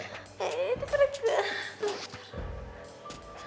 itu keren banget